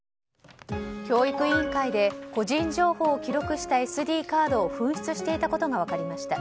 教育委員会で個人情報を記録したＳＤカードを紛失していたことが分かりました。